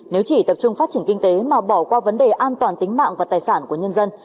nếu chỉ tập trung phát triển kinh tế mà bỏ qua vấn đề an toàn tính mạng và tài sản của nhân dân